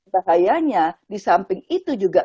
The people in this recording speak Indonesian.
bahayanya di samping itu juga